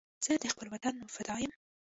زه د خپل وطن فدا یم